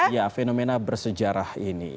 ya fenomena bersejarah ini